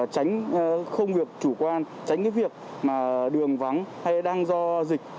tránh không việc chủ quan tránh việc đường vắng hay đang do dịch